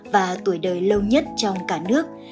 và tuổi đời lâu nhất trong cả nước